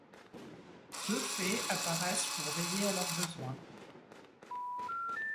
Deux fées apparaissent pour veiller à leurs besoins.